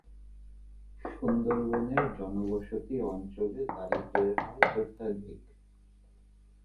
সুন্দরবনের জনবসতি অঞ্চলে দারিদ্র্যের হার অত্যধিক।